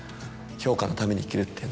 評価のために生きるっていうのは。